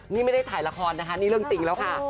นี่ไม่ได้ถ่ายละครนะคะนี่เรื่องจริงแล้วค่ะ